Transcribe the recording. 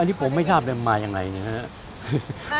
อันนี้ผมไม่ทราบเลยมาอย่างไรนะครับ